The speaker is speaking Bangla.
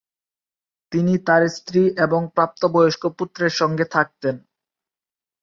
তিনি তাঁর স্ত্রী এবং প্রাপ্তবয়স্ক পুত্রের সঙ্গে থাকতেন।